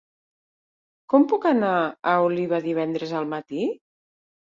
Com puc anar a Oliva divendres al matí?